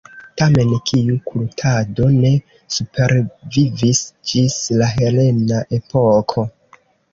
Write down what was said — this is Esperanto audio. Tamen, tiu kultado ne supervivis ĝis la helena epoko.